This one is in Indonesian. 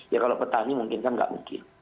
ya kalau petani mungkin kan nggak mungkin